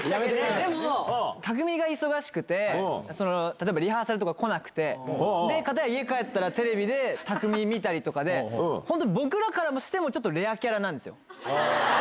でも、匠海が忙しくて、例えばリハーサルとか来なくて、で、かたや家帰ったら、テレビで匠海見たりとかで、本当、僕らからしても、ちょっとレアキャラなんですよ。